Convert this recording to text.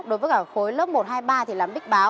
đối với cả khối lớp một hai ba thì làm bích báo